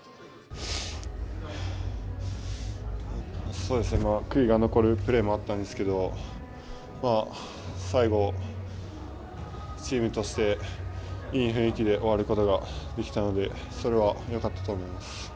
そうですね、悔いが残るプレーもあったんですけど最後、チームとしていい雰囲気で終わることができたのでそれはよかったと思います。